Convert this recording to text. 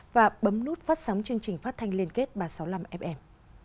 và bấm nút phát sóng chương trình phát thanh liên kết ba trăm sáu mươi năm fm